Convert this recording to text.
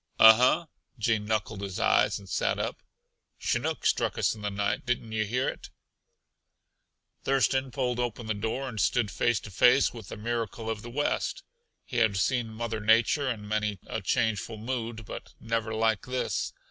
"Uh huh!" Gene knuckled his eyes and sat up. "Chinook struck us in the night. Didn't yuh hear it?" Thurston pulled open the door and stood face to face with the miracle of the West. He had seen Mother Nature in many a changeful mood, but never like this.